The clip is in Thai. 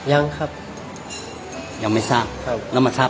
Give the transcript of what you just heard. ยังครับ